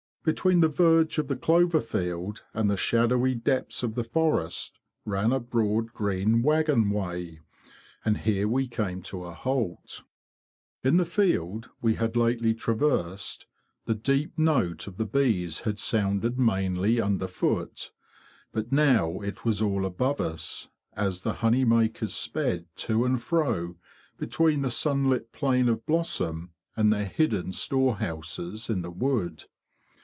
Between the verge of the clover field and the shadowy depths of the forest ran a broad green waggon way; and here we came to a halt. In the field we had lately traversed the deep note of the bees had sounded mainly underfoot; but now it was all above us, as the honeymakers sped to and fro between the sunlit plane of blossom and their hidden storehouses in the wood.